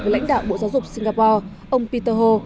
với lãnh đạo bộ giáo dục singapore ông peter ho